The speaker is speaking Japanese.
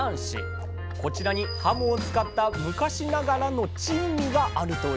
こちらにはもを使った昔ながらの珍味があるというんです。